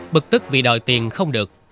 bực tức vì đòi tiền không được